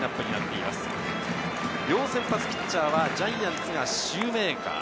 両先発ピッチャーはジャイアンツがシューメーカー。